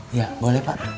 iya boleh pak